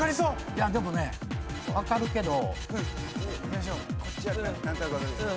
いやでもね分かるけど。